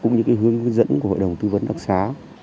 cũng như hướng dẫn của hội đồng tư vấn đặc xá